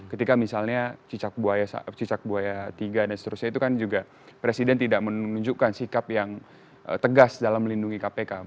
ketika misalnya cicak buaya tiga dan seterusnya itu kan juga presiden tidak menunjukkan sikap yang tegas dalam melindungi kpk